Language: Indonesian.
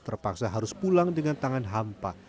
terpaksa harus pulang dengan tangan hampa